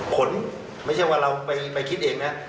ไม่ใช่ว่าเราไปคิดเองนะ